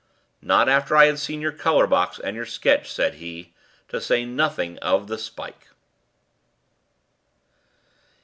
"Not after I had seen your colour box and your sketch," said he, "to say nothing of the spike."